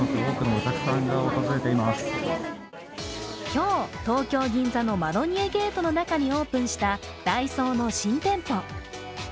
今日、東京・銀座のマロニエゲートの中にオープンしたダイソーの新店舗。